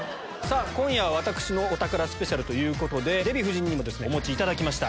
今夜は「私のお宝ＳＰ」ということでデヴィ夫人にお持ちいただきました。